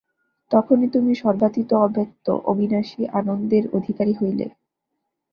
তখনই তুমি সর্বাতীত অব্যক্ত অবিনাশী আনন্দের অধিকারী হইলে।